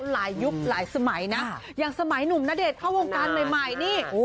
ยุคหลายสมัยนะอย่างสมัยหนุ่มณเดชน์เข้าวงการใหม่นี่